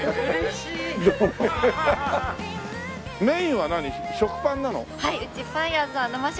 メインは何？